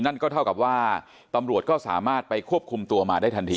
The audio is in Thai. นั่นก็เท่ากับว่าตำรวจก็สามารถไปควบคุมตัวมาได้ทันที